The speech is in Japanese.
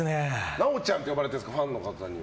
なおちゃんって呼ばれているんですか、ファンに。